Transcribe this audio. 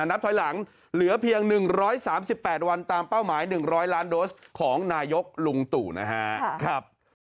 นับถอยหลังเหลือเพียง๑๓๘วันตามเป้าหมาย๑๐๐ล้านโดสของนายกลุงตู่นะครับ